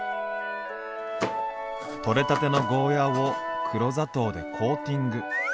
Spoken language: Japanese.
取れたてのゴーヤーを黒砂糖でコーティング。